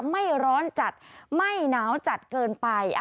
ไม่ร้อนจัดไม่หนาวจัดเกินไป